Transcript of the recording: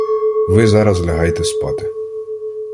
Ви зараз лягайте спати.